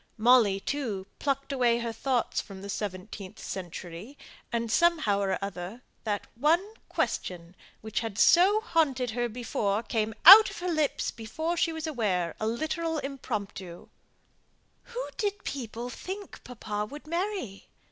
Molly, too, plucked away her thoughts from the seventeenth century; and, somehow or other, that one question, which had so haunted her before, came out of her lips before she was aware a literal impromptu, "Who did people think papa would marry?